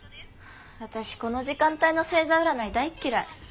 私この時間帯の星座占い大っ嫌い。